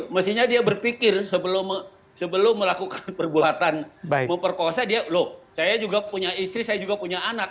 mestinya dia berpikir sebelum melakukan perbuatan memperkosa dia loh saya juga punya istri saya juga punya anak